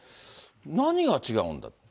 何が違うんだと。